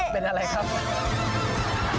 เป็นอะไรครับ